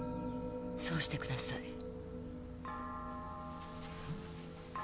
そうして下さい。